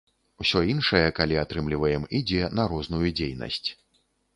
Усё іншае, калі атрымліваем, ідзе на розную дзейнасць.